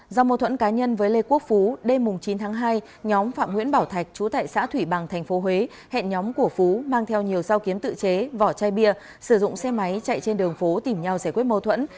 do mâu thuẫn cá nhân với lê quốc phú đêm chín tháng hai nhóm phạm nguyễn bảo thạch trú tại xã thủy bằng tp huế hẹn nhóm của phú mang theo nhiều sao kiếm tự chế vỏ chai bia sử dụng xe máy chạy trên đường phố tìm nhau giải quyết mâu thuẫn